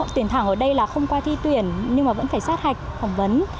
tuyển thẳng ở đây là không qua thi tuyển nhưng mà vẫn phải sát hạch phỏng vấn